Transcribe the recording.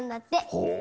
ほう。